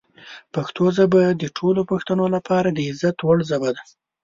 پښتو ژبه د ټولو پښتنو لپاره د عزت وړ ژبه ده.